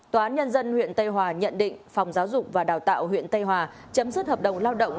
tòa án nhân dân huyện tây hòa nhận định phòng giáo dục và đào tạo huyện tây hòa chấm dứt hợp đồng lao động